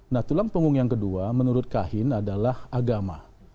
nah tulang punggung yang kedua menurut kahin adalah agama